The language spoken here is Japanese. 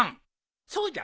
そうじゃな